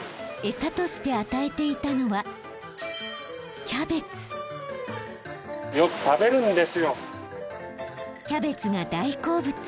餌として与えていたのはキャベツが大好物。